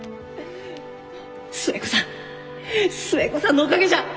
寿恵子さん寿恵子さんのおかげじゃ！